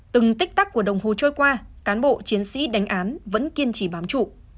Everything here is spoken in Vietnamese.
từng tích tắc của đồng hồ trôi qua cán bộ chiến sĩ đánh án vẫn kiên trì bám trụ